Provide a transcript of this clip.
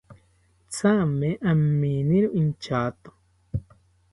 Thame aminiro inchato